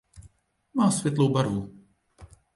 Má světlou barvu.